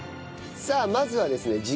さあまずはですね